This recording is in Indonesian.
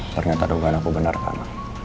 ternyata adegan aku benar kan